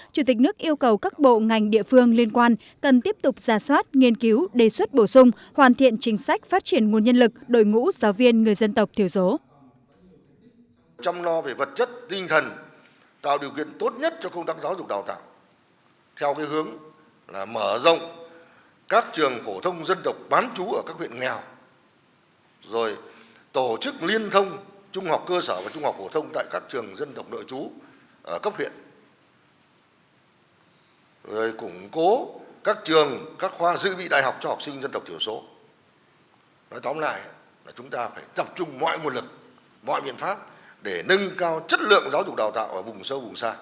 chủ tịch nước yêu cầu các bộ ngành địa phương liên quan cần tiếp tục giả soát nghiên cứu đề xuất bổ sung hoàn thiện chính sách phát triển nguồn nhân lực đội ngũ giáo viên người dân tộc thiểu số